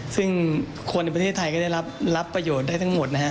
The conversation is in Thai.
ซึ่งคนในประเทศไทยก็ได้รับประโยชน์ได้ทั้งหมดนะฮะ